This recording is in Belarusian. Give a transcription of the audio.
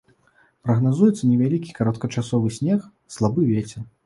Прагназуецца невялікі кароткачасовы снег, слабы вецер.